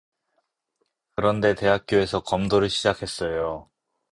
그런데 대학교에서 검도를 시작했어요.